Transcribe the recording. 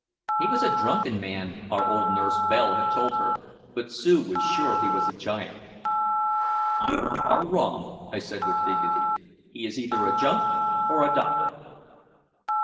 He was a drunken man, our old nurse Belle had told her, but Sue was sure he was a giant. "You are wrong," I said with dignity. "He is either a Junk or a Docker."